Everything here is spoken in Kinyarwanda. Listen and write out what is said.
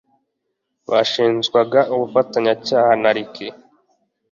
bashinjwaga ubufatanyacyaha na Ricky